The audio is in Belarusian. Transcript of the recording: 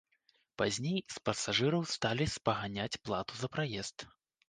Пазней з пасажыраў сталі спаганяць плату за праезд.